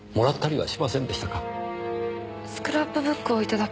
はい。